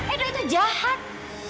edo itu jahat